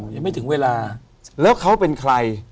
ยังไม่ถึงเวลาแล้วเขาเป็นใคร